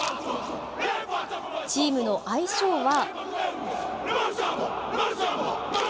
チームの愛称は。